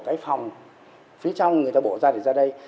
cái phòng phía trong người ta bỏ ra để ra đây